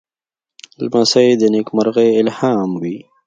لمسی د نېکمرغۍ الهام وي.